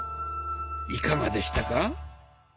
いかがでしたか？